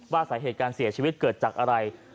สาเหตุการเสียชีวิตเกิดจากอะไร